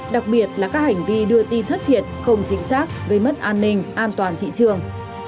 đặc biệt là các hành vi đưa tin thất thiệt không chính xác gây mất an ninh an toàn thị trường